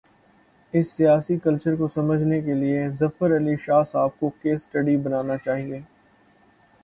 اس سیاسی کلچر کو سمجھنے کے لیے، ظفر علی شاہ صاحب کو "کیس سٹڈی" بنا نا چاہیے۔